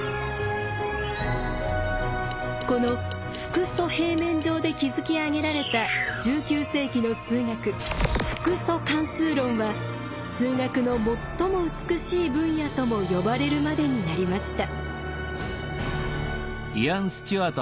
この複素平面上で築き上げられた１９世紀の数学複素関数論は数学の最も美しい分野とも呼ばれるまでになりました。